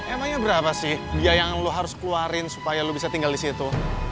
emangnya berapa sih biaya yang harus lu keluarin supaya lu bisa tinggal disitu